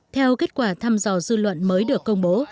theo kết quả thăm dò dư luận mới được công bố